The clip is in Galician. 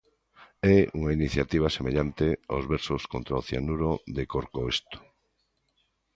É unha iniciativa semellante aos Versos contra o cianuro de Corcoesto.